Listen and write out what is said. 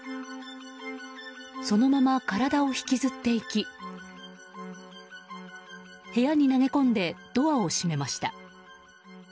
そのまま体を引きずっていき部屋に投げ込んでドアを閉めました。